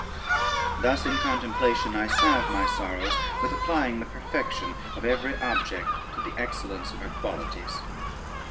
Thus in contemplation I salve my sorrows, with applying the perfection of every object to the excellence of her qualities."